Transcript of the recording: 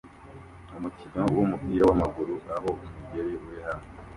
Umukino wumupira wamaguru aho umugeri uri hafi